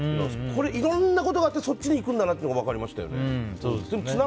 これ、いろんなことがあってそっちにいくんだなというのが分かりましたよね。